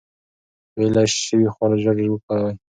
ویلې شوي خواړه ژر وکاروئ.